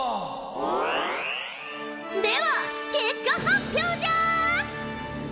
では結果発表じゃ！